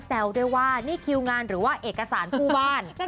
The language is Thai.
ด้วยว่านี่คิวงานหรือว่าเอกสารผู้ว่าน